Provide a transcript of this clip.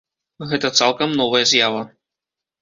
Гэта цалкам новая з'ява.